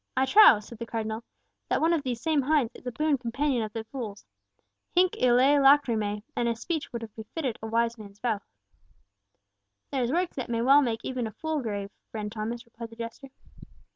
"I trow," returned the Cardinal, "that one of these same hinds is a boon companion of the fool's—hinc illæ lachrymæ, and a speech that would have befitted a wise man's mouth." "There is work that may well make even a fool grave, friend Thomas," replied the jester.